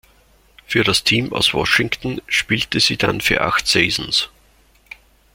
Für das Team aus Washington spielte sie dann für acht Saisons.